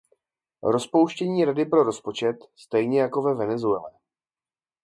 Rozpuštění Rady pro rozpočet, stejně jako ve Venezuele.